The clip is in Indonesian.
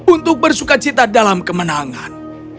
untuk bersuka cita dalam kemenangan